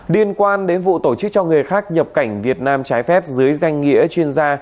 liên quan đến vụ tổ chức cho người khác nhập cảnh việt nam trái phép dưới danh nghĩa chuyên gia